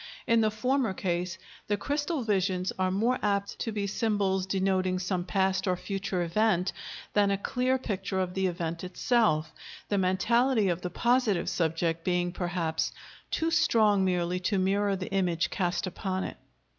In the former case the crystal visions are more apt to be symbols denoting some past or future event than a clear picture of the event itself, the mentality of the "positive" subject being, perhaps, too strong merely to mirror the image cast upon it.